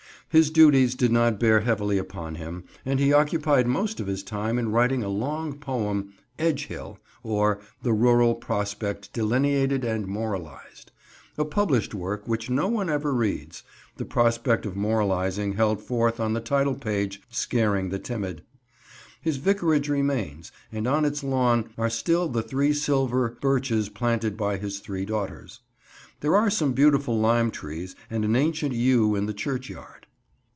His duties did not bear heavily upon him, and he occupied most of his time in writing a long poem, "Edgehill, or the Rural Prospect Delineated and Moralised," a published work which no one ever reads, the prospect of moralising held forth on the title page scaring the timid. His vicarage remains, and on its lawn are still the three silver birches planted by his three daughters. There are some beautiful lime trees and an ancient yew in the churchyard.